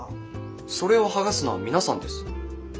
それを剥がすのは皆さんです。